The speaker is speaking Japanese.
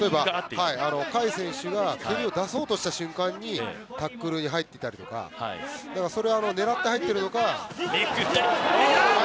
海選手が蹴りを出そうとした瞬間にタックルに入ってたりとかそれは狙って入っているのか。